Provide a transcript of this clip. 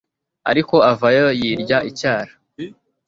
ariko avayo yirya icyara